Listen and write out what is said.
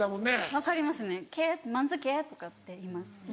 分かりますね「けまんずけ」とかって言います。